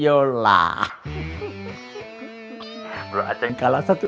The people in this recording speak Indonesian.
berarti berarti berarti